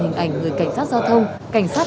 hình ảnh người cảnh sát giao thông cảnh sát